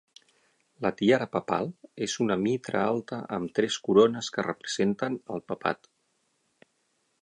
La tiara papal és una mitra alta amb tres corones que representen el papat.